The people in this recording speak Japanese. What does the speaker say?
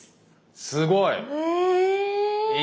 すごい！え